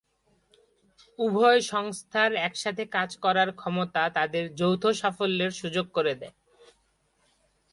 উভয় সংস্থার একসাথে কাজ করার ক্ষমতা তাদের যৌথ সাফল্যের সুযোগ করে দেয়।